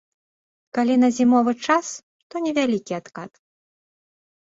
Калі на зімовы час, то невялікі адкат.